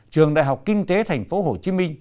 trường đại học kinh tế tp hcm